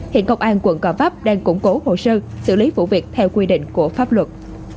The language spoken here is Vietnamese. hiện công an quận gò vấp đang củng cố hồ sơ xử lý vụ việc theo quy định của pháp luật